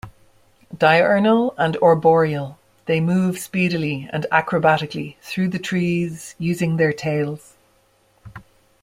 Diurnal and arboreal, they move speedily and acrobatically through the trees using their tails.